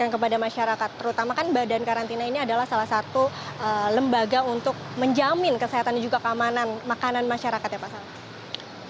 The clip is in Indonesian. kepada masyarakat terutama kan badan karantina ini adalah salah satu lembaga untuk menjamin kesehatan dan juga keamanan makanan masyarakat ya pak salam